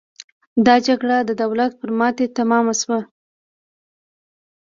دا جګړه د دولت پر ماتې تمامه شوه.